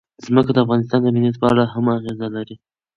ځمکه د افغانستان د امنیت په اړه هم اغېز لري.